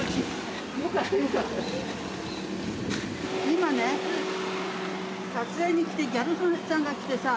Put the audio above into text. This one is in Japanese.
今ね撮影に来てギャル曽根さんが来てさ。